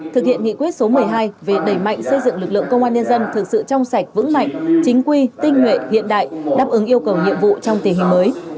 thực hiện nghị quyết số một mươi hai về đẩy mạnh xây dựng lực lượng công an nhân dân thực sự trong sạch vững mạnh chính quy tinh nguyện hiện đại đáp ứng yêu cầu nhiệm vụ trong tình hình mới